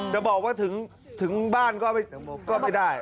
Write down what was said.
จะบอกว่าถึงบ้านก็ไม่ได้